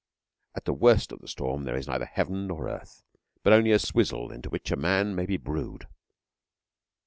At the worst of the storm there is neither Heaven nor Earth, but only a swizzle into which a man may be brewed.